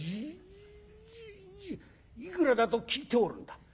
「いくらだと聞いておるんだ」。